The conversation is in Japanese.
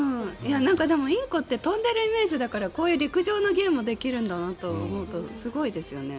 でも、インコって飛んでいるイメージだからこういう陸上の芸もできると思うとすごいですよね。